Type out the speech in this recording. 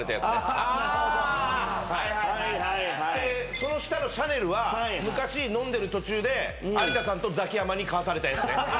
その下のシャネルは昔飲んでる途中で有田さんとザキヤマに買わされたやつね。